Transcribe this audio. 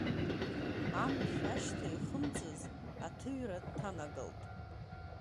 Амшә ашьҭа ихымҵыз, аҭыҩра дҭанагалт.